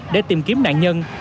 để tìm kiếm nạn nhân